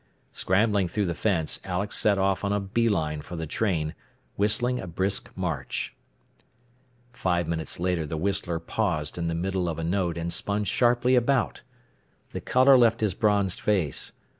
Scrambling through the fence, Alex set off on a bee line for the train, whistling a brisk march. Five minutes later the whistler paused in the middle of a note and spun sharply about. The color left his bronzed face.